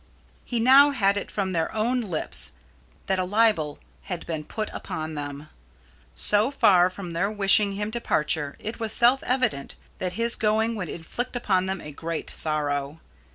He now had it from their own lips that a libel had been put upon them. So far from their wishing his departure, it was self evident that his going would inflict upon them a great sorrow.